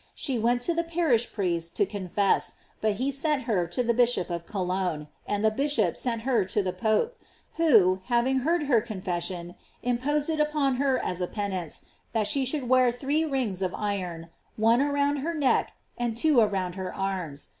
She went to the parish priest to confess, but he sent her to the Bishop of Cologne, and the bishop sent her to the Pope, who, having heard her con fession, imposed it upon her as a penance, that she should wear three rings of iron, one around her neck, and two around her arms.